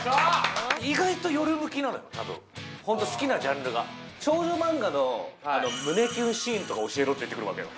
意外とよる向きなのよ多分ホント好きなジャンルが少女マンガの胸キュンシーンとか教えろって言ってくるわけよ